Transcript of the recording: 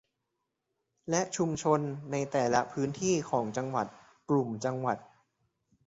และชุมชนในแต่ละพื้นที่ของจังหวัดกลุ่มจังหวัด